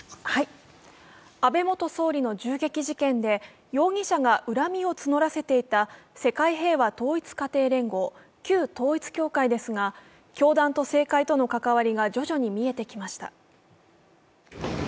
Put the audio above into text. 安倍元総理の銃撃事件で、容疑者が恨みを募らせていた、世界平和統一家庭連合、旧統一教会ですが、教団と政界との関わりが徐々に見えてきました。